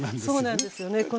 そうなんですよね。